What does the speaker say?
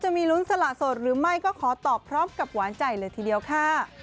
มีลุ้นสละโสดหรือไม่ก็ขอตอบพร้อมกับหวานใจเลยทีเดียวค่ะ